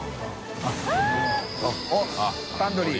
おっタンドリー。